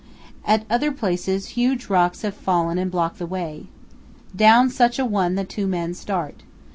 At other places huge rocks have fallen and block the way. Down such a one the two men start.